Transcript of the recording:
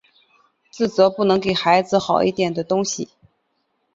自责不能给孩子好一点的东西